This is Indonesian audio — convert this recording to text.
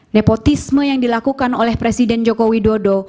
nepotisme yang dilakukan oleh presiden joko widodo